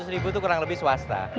empat ratus ribu itu kurang lebih swasta